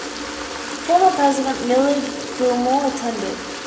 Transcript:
Former President Millard Fillmore attended.